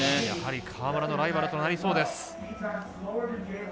やはり川村のライバルとなりそうです。